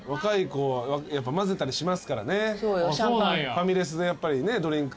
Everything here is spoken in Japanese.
ファミレスでやっぱりドリンク。